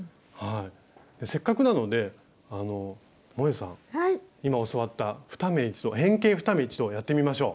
せっかくなのでもえさん今教わった変形２目一度をやってみましょう。